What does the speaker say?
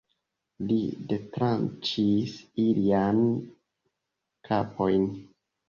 Li detranĉis iliajn kapojn.